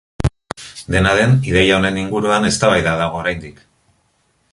Dena den, ideia honen inguruan eztabaida dago oraindik.